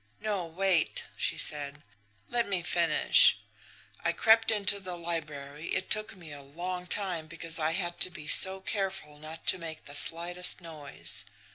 "No; wait!" she said. "Let me finish. I crept into the library. It took me a long time, because I had to be so careful not to make the slightest noise.